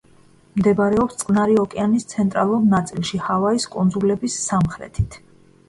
მდებარეობს წყნარი ოკეანის ცენტრალურ ნაწილში, ჰავაის კუნძულების სამხრეთით.